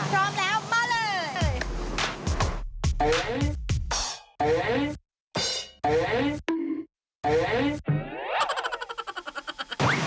พร้อมแล้วมาเลย